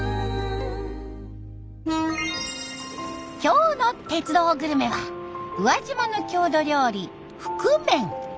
今日の「鉄道グルメ」は宇和島の郷土料理ふくめん。